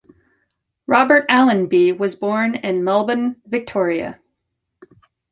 Robert Allenby was born in Melbourne, Victoria.